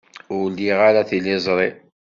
Ur liɣ ara tiliẓri.